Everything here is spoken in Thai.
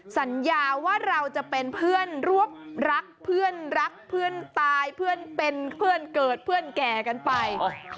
สัญญาว่าเราจะเป็นเพื่อนรวบรักเพื่อนรักเพื่อนตายเพื่อนเป็นเพื่อนเกิดเพื่อนแก่กันไป